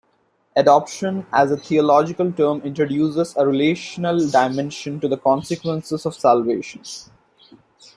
Adoption as a theological term introduces a relational dimension to the consequences of Salvation.